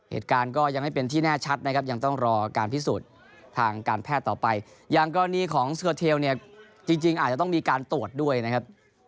เหตุการณ์ก็ยังไม่เป็นที่แน่ชัดนะครับยังต้องรอการพิสูจน์ทางการแพทย์ต่อไปอย่างกรณีของสเกอร์เทลเนี่ยจริงอาจจะต้องมีการตรวจด้วยนะครับ